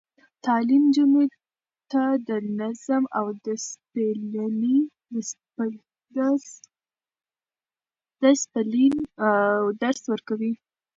تعلیم نجونو ته د نظم او دسپلین درس ورکوي.